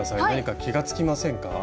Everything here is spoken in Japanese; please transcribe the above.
何か気が付きませんか？